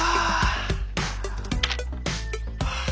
はあ